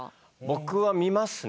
僕は見ますね。